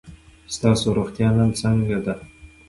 ستاسو روغتیا نن څنګه ده؟